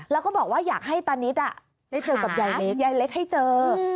แล้วก็บอกว่าอยากให้ตานิดได้เจอกับยายเล็กให้เจอ